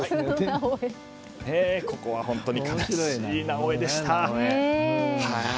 ここは本当に悲しい「なおエ」でした。